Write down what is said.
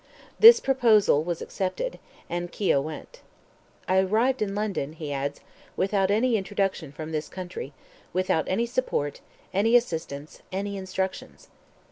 This proposal was accepted, and Keogh went. "I arrived in London," he adds, "without any introduction from this country, without any support, any assistance, any instructions."